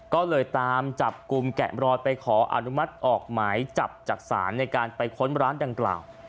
ก็เลยตามจับกลุ่มแกะรอยไปขออนุมัติออกหมายจับจากศาลในการไปค้นร้านดังกล่าว